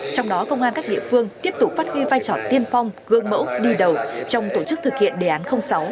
trong đó công an các địa phương tiếp tục phát huy vai trò tiên phong gương mẫu đi đầu trong tổ chức thực hiện đề án sáu